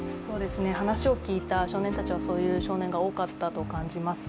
話を聞いた少年たちはそういう少年が多かったと感じます。